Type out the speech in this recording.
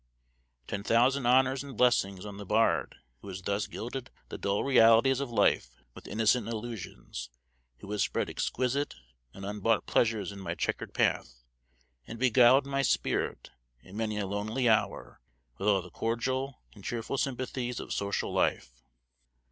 Ten thousand honors and blessings on the bard who has thus gilded the dull realities of life with innocent illusions, who has spread exquisite and unbought pleasures in my chequered path, and beguiled my spirit in many a lonely hour with all the cordial and cheerful sympathies of social life!